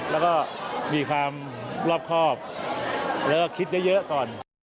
แล้วก็มีความรอบครอบแล้วก็คิดเยอะก่อน